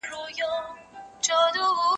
هر بنده، خپله ئې کرونده.